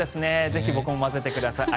ぜひ僕も混ぜてください。